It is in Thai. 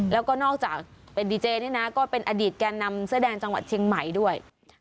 แล้วก็นอกจากเป็นดีเจนี่นะก็เป็นอดีตแก่นำเสื้อแดงจังหวัดเชียงใหม่ด้วย